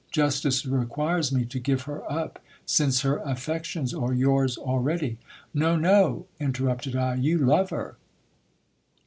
Justice requires me to give her up, since her affections are yours already. No.no, interrupted I ; you love her.